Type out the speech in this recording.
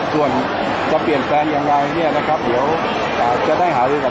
ส่วนจะเปลี่ยนแฟนยังไงเนี่ยนะครับเดี๋ยวจะได้หาเรื่องกับท่านตำรวจอุตมันอีกทั้งหนึ่งนะครับ